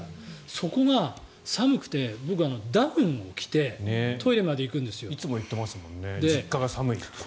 そこが寒くて、僕、ダウンを着てトイレまで行くんですよ。